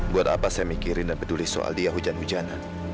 kenapa saya harus berpikir dan peduli tentang dia hujan hujanan